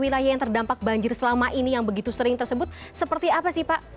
wilayah yang terdampak banjir selama ini yang begitu sering tersebut seperti apa sih pak